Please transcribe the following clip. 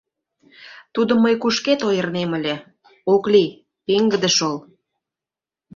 Тудым мый кушкед ойырынем ыле, ок лий, пеҥгыде шол.